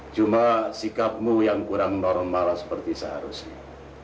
cuma sikapmu yang kurang normal seperti seharusnya